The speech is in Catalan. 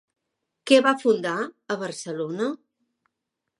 Què va fundar a Barcelona?